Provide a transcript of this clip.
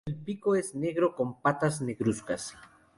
El pico es negro con patas negruzcas.